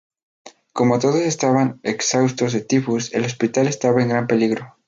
Como todos estaban exhaustos de tifus, el hospital estaba en gran peligro.